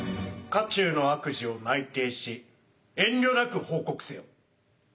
家中の悪事を内偵し遠慮なく報告せよ。